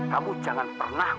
kamu jangan pernah